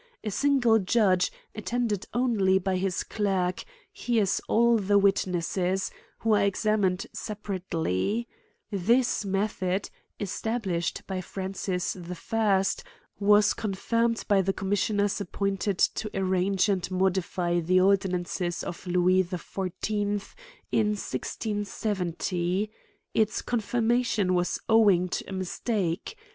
A single judge, attended only by his clerk, hears all the witnesses, who are examined separately^ This method, establislied by Francis 1st. was con firmed by the commissioners appointed to ar^ range and modify the ordinances of Lewis Xl V . 1670 J its confirmation was owing to a mistake.